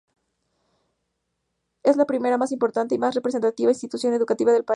Es la primera, más importante y más representativa institución educativa del país.